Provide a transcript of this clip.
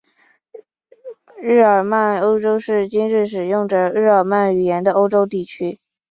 日耳曼欧洲是今日使用着日耳曼语言的欧洲地区。